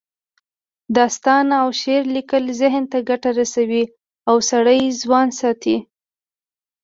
داستان او شعر لیکل ذهن ته ګټه رسوي او سړی ځوان ساتي